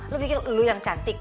lu pikir lu yang cantik